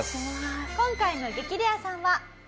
今回の激レアさんは。